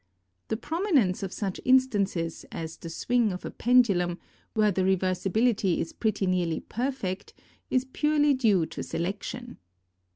The prominence of such instances as the swing of a pendulum, where the reversibility is pretty nearly perfect, is purely due to selection.